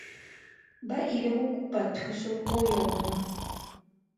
Ba ile go kopa thuso go yona.